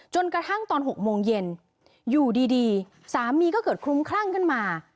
จนกระทั่งตอน๖โมงเย็นอยู่ดีสามีก็เกิดคลุ้มคลั่งขึ้นมา